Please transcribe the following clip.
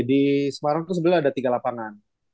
di semarang itu sebenarnya ada tiga lapangan